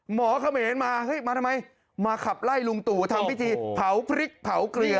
เขมรมาเฮ้ยมาทำไมมาขับไล่ลุงตู่ทำพิธีเผาพริกเผาเกลือ